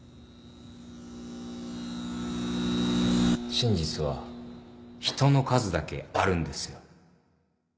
真実は人の数だけあるんですよ